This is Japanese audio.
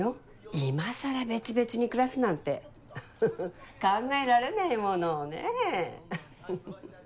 今更別々に暮らすなんて考えられないものねぇウフフ。